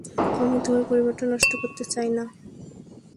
আমি তোমার পরিবারটা নষ্ট করতে চাই না।